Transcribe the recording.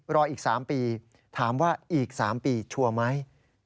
รออีก๓ปีถามว่าอีก๓ปีชัวร์ไหม